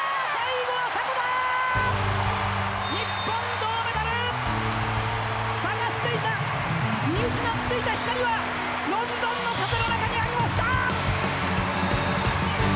日本銅メダル！探していた見失っていた光はロンドンの風の中にありました！